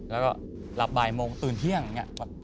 แล้วก็หลับบ่ายโมงตื่นเที่ยงอย่างนี้